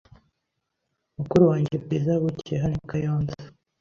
Mukuru wanjye Bwiza, yavukiye hano i kayonza